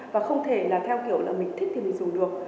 và không thể là theo kiểu là mình thích thì mình dùng được